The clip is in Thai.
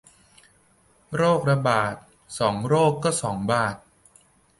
โรคละบาท สองโรคก็สองบาท